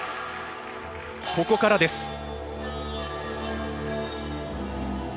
ここからです。